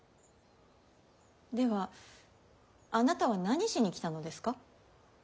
ではあなたは何しに来たのですか？